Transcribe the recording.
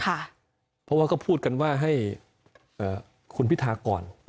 เพราะว่าก็พูดกันว่าให้คุณพิธาก่อน